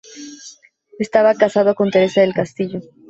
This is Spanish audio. Estaba casado con Teresa del Castillo.